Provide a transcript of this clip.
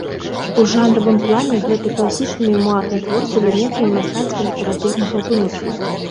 У жанравым плане гэта класічны мемуарны твор з элементамі мастацка-літаратурнага вымыслу.